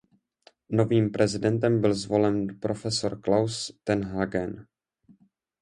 Novým prezidentem byl zvolen Prof. Klaus ten Hagen.